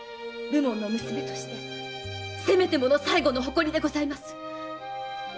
武門の娘としてせめてもの最後の誇りでございます。